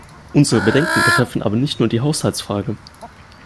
Unsere Bedenken betreffen aber nicht nur die Haushaltsfrage.